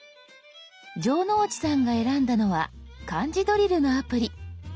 城之内さんが選んだのは漢字ドリルのアプリ。